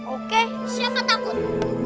oke siapa takut